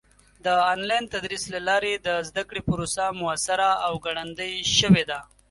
د آنلاین تدریس له لارې د زده کړې پروسه موثره او ګړندۍ شوې ده.